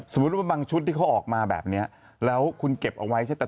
ว่าบางชุดที่เขาออกมาแบบนี้แล้วคุณเก็บเอาไว้ใช้แต่